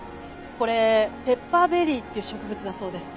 これペッパーベリーっていう植物だそうです。